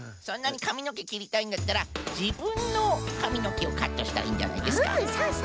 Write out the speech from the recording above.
そんなにかみのけきりたいんだったらじぶんのかみのけをカットしたらいいんじゃないですか。